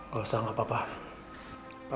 gak usah apa apa